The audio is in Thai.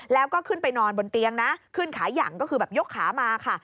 แล้วก็ขึ้นไปนอนบนเตียงนะขึ้นขายังก็คือแบบยกขามาค่ะ